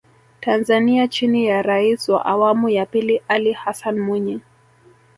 Tanzania chini ya Rais wa awamu ya pili Ali Hassan Mwinyi